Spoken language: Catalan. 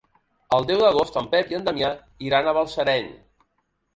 El deu d'agost en Pep i en Damià iran a Balsareny.